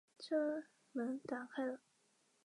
他同时提出后凹尾龙可能是纳摩盖吐龙的次异名。